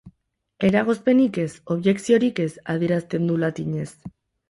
Eragozpenik ez, objekziorik ez, adierazten du, latinez.